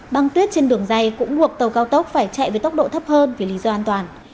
băng tuyết trên đường dây cũng buộc tàu cao tốc phải chạy với tốc độ thấp hơn vì lý do an toàn